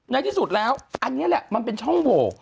ในที่สุดแล้วอันนี้แหละมันเป็นช่องโหว